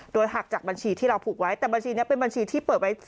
โดยหักจากบัญชีที่เราผูกไว้แต่บัญชีนี้เป็นบัญชีที่เปิดไว้